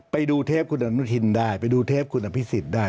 ไปดูเทปคุณอนุทินได้ไปดูเทปคุณอภิษฎได้